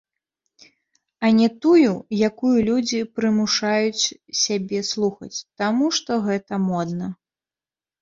А не тую, якую людзі прымушаюць сябе слухаць, таму што гэта модна.